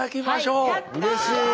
うれしい。